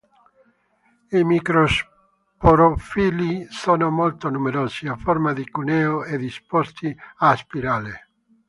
I microsporofilli sono molto numerosi, a forma di cuneo e disposti a spirale.